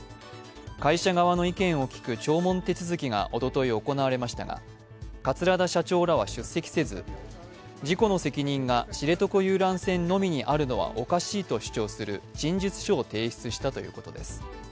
会社側の意見を聞く聴聞手続きがおととい行われましたが桂田社長らは出席せず、自己の責任が知床遊覧船のみにあるのはおかしいと主張する陳述書を提出したということです。